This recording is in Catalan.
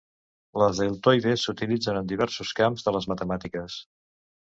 Les deltoides s'utilitzen en diversos camps de les matemàtiques.